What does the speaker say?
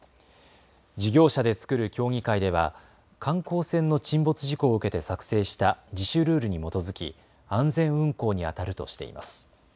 事業者で作る協議会では観光船の沈没事故を受けて作成した自主ルールに基づき安全運航にあたるとしています。